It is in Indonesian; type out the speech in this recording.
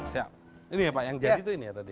siap ini ya pak yang jadi itu ini ya tadi